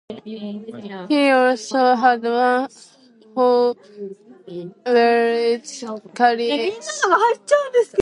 He also had one four wheeled carriage.